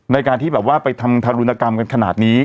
ในการที่แบบว่าไปทำทารุณกรรมกันขนาดนี้